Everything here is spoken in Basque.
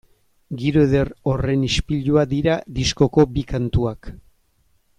Giro eder horren ispilua dira diskoko bi kantuak.